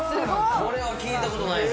これは聞いたことないぞ。